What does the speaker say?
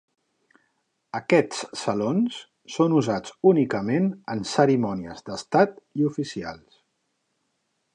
Aquests salons són usats únicament en cerimònies d'estat i oficials.